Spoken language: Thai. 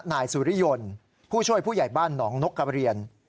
นายสุริยนต์ผู้ช่วยผู้ใหญ่บ้านหนองนกกระเรียน